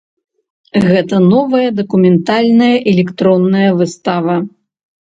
Гэта новая дакументальная электронная выстава.